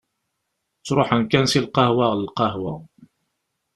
Ttruḥen kan si lqahwa ɣer lqahwa.